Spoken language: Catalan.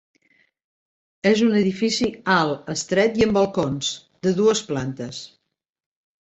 És un edifici alt, estret i amb balcons, de dues plantes.